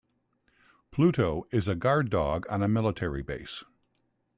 Pluto is a guard dog on a military base.